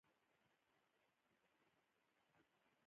احمد ډېر تقوا داره انسان دی، تل په اوداسه اوسي.